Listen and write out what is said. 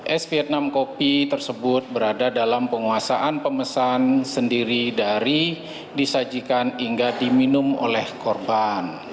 es vietnam kopi tersebut berada dalam penguasaan pemesan sendiri dari disajikan hingga diminum oleh korban